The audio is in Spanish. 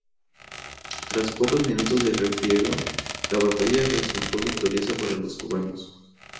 Tras pocos minutos de refriega, la batalla resultó victoriosa para los cubanos.